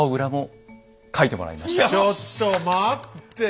ちょっと待って！